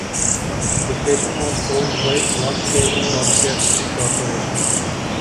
The station was owned by the Lock Haven Broadcasting Corporation.